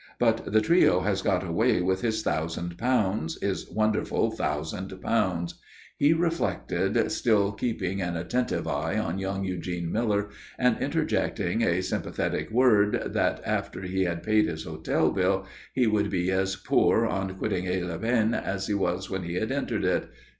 But the trio has got away with his thousand pounds, his wonderful thousand pounds. He reflected, still keeping an attentive eye on young Eugene Miller and interjecting a sympathetic word, that after he had paid his hotel bill, he would be as poor on quitting Aix les Bains as he was when he had entered it.